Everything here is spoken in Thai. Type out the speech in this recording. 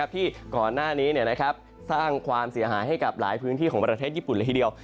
ที่ก่อนหน้านี้สร้างความเสียหายให้กับหลายพื้นที่ของประเทศญี่ปุ่นเลยทีเดียว